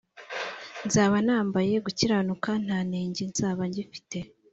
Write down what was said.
Nzaba nambaye gukiranuka ntanenge nzaba ngifite